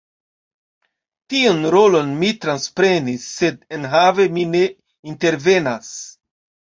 Tiun rolon mi transprenis, sed enhave mi ne intervenas.